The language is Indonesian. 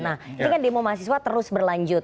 nah ini kan demo mahasiswa terus berlanjut